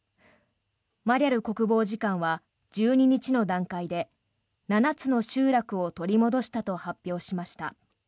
マリャル国防次官は１２日の段階で７つの集落を取り戻したと発表しました。